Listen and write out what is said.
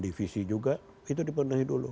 divisi juga itu dipenuhi dulu